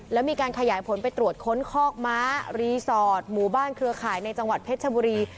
แล้วมีการขยายผลไปตรวจค้นคอกม้ารีสอร์ทหมู่บ้านเครือข่ายในจังหวัดเพชรชบุรี